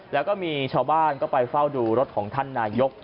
แล้วก็มีชาวบ้านก็ไปเฝ้าดูรถของท่านนายก